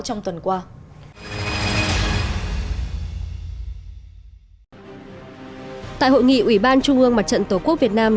trong tuần qua